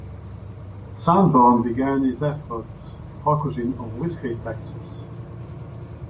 Sanborn began his efforts focusing on whiskey taxes.